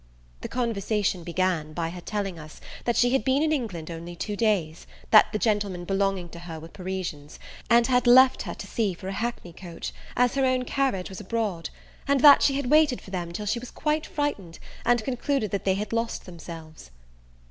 The conversation began, by her telling us, that she had been in England only two days; that the gentlemen belonging to her were Parisians, and had left her to see for a hackney coach, as her own carriage was abroad; and that she had waited for them till she was quite frightened, and concluded that they had lost themselves.